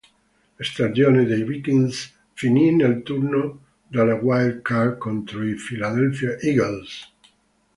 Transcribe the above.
La stagione dei Vikings finì nel turno delle wild card contro i Philadelphia Eagles.